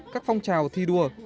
các phong trào thi đua